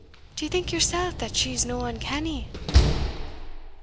D'ye think yoursell that she's no uncanny?"